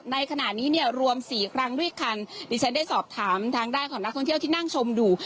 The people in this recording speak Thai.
ในขณะนี้เนี่ยรวมสี่ครั้งด้วยกันดิฉันได้สอบถามทางด้านของนักท่องเที่ยวที่นั่งชมอยู่